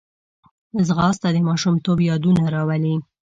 ځغاسته د ماشومتوب یادونه راولي